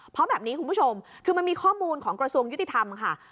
เพราะแบบนี้คุณผู้ชมคือมันมีข้อมูลของกระทรวงยุติธรรมค่ะ